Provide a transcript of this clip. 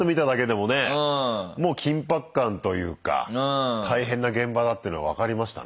もう緊迫感というか大変な現場だっていうのは分かりましたな。